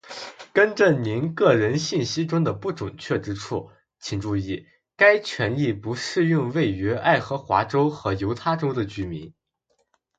更正您个人信息中的不准确之处，请注意，该权利不适用位于爱荷华州和犹他州的居民；